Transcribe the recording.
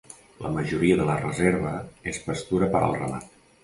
La majoria de la reserva és pastura per al ramat.